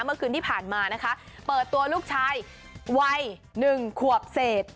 เมื่อคืนที่ผ่านมานะคะเปิดตัวลูกชายวัย๑ขวบเศษ